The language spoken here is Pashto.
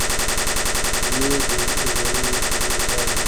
مېز د انځورونو ایښودلو ځای هم دی.